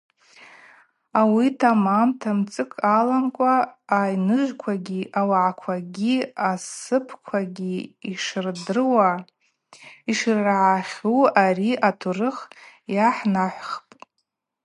Ауи тамамта мцыкӏ аламкӏва айныжвквагьи, ауагӏаквагьи, асыпквагьи йшырдыруа, йшрагӏахьу ари атурых йгӏахӏнахӏвпӏ.